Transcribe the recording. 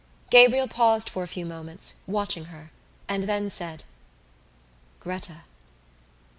Gabriel paused for a few moments, watching her, and then said: "Gretta!"